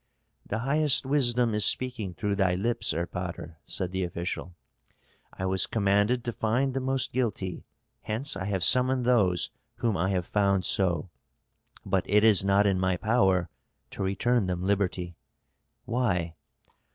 "The highest wisdom is speaking through thy lips, erpatr," said the official. "I was commanded to find the most guilty, hence I have summoned those whom I have found so; but it is not in my power to return them liberty." "Why?"